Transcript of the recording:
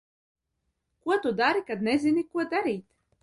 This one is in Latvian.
Ko tu dari, kad nezini, ko darīt?